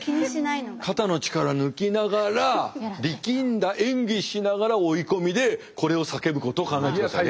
肩の力抜きながら力んだ演技しながら追い込みでこれを叫ぶことを考えてください。